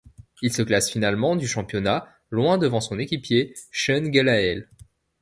Il se classe finalement du championnat, loin devant son équipier Sean Gelael.